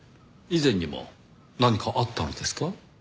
以前にも何かあったのですか？